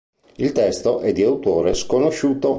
Il testo è di autore sconosciuto.